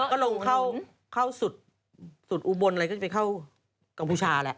ก็ลงเข้าสุดอุบลอะไรก็จะเข้ากัมพูชาแหละ